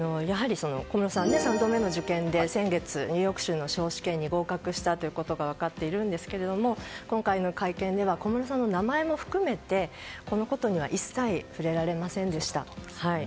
小室さんは３度目の受験で先日、ニューヨーク州の司法試験に合格したということが分かっているんですけれども今回の会見では小室さんの名前も含めてこのことには一切触れられませんでした。